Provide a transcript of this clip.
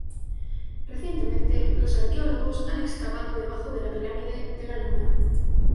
Recientemente, los arqueólogos han excavado debajo de la pirámide de la Luna.